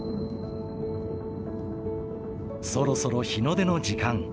そろそろ日の出の時間。